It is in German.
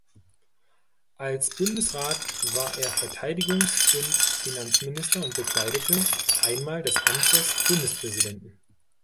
Als Bundesrat war er Verteidigungs- und Finanzminister und bekleidete einmal das Amt des Bundespräsidenten.